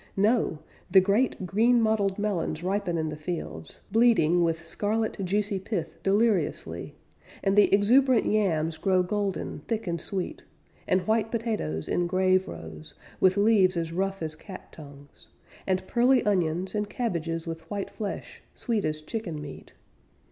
No! The great green mottled melons ripen in the fields, Bleeding with scarlet, juicy pith deliriously; And the exuberant yams grow golden, thick and sweet; And white potatoes, in grave rows, With leaves as rough as cat tongues; And pearly onions, and cabbages With white flesh, sweet as chicken meat.